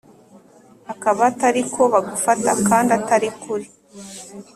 Akaba ari ko bagufata kandi Atari ko uri